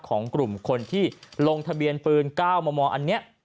ของกลุ่มคนที่ลงทะเบียนปืน๙มมอันนี้